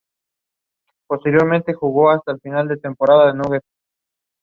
It is in this moment that our character is formed.